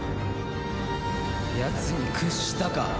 やつに屈したか。